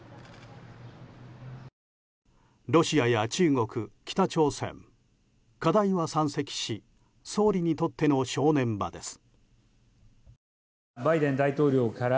ロシアや中国、北朝鮮課題は山積し総理にとっての正念場です。